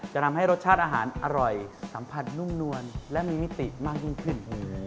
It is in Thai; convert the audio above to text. จะทำให้รสชาติอาหารอร่อยสัมผัสนุ่มนวลและมีมิติมากยิ่งขึ้น